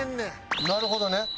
なるほどね。